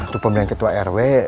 tuh pembelian ketua rw